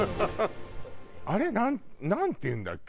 あれなんていうんだっけ？